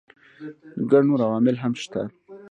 ګڼ نور عوامل هم شته.